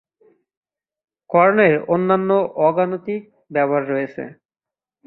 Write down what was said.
কর্ণের অন্যান্য অ-গাণিতিক ব্যবহারও রয়েছে।